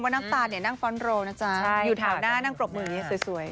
ว่าน้องตานนั่งฟอนต์โรวนะจ๊ะอยู่ถ่าวหน้านั่งกรบมืออย่างงี้สวย